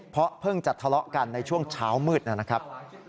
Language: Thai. เพราะเพิ่งจะทะเลาะกันในช่วงเช้ามืดนะครับ